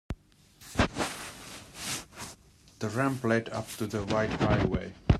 The ramp led up to the wide highway.